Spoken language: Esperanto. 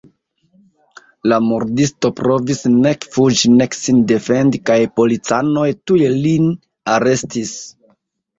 La murdisto provis nek fuĝi nek sin defendi kaj policanoj tuj lin arestis.